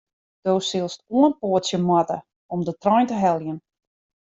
Do silst oanpoatsje moatte om de trein te heljen.